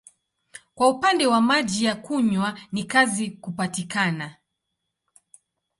Kwa upande wa maji ya kunywa ni kazi kupatikana.